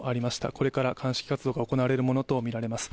これから鑑識活動が行われるものとみられます。